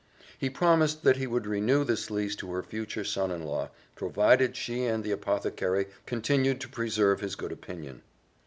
He promised that he would renew this lease to her future son in law, provided she and the apothecary continued to preserve his good opinion.